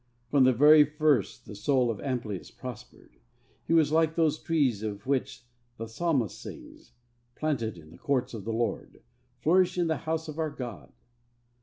From the very first the soul of Amplius prospered. He was like those trees of which the psalmist sings which, 'planted in the courts of the Lord, flourish in the house of our God.'